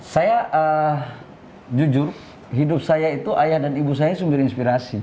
saya jujur hidup saya itu ayah dan ibu saya sumber inspirasi